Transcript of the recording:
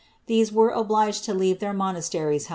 These were obliged to leave their monasteries, how Fig.